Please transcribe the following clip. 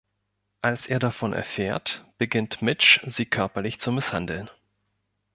Als er davon erfährt, beginnt Mitch sie körperlich zu misshandeln.